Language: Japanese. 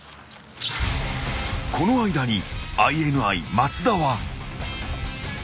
［この間にＩＮＩ松田は］